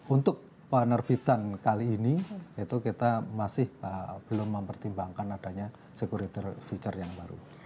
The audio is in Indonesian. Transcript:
untuk penerbitan kali ini itu kita masih belum mempertimbangkan adanya security feature yang baru